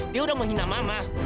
dia udah menghina mama